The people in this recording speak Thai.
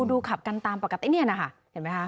อ่าดูขับกันตามปกตินี่นะคะเห็นมั้ยคะ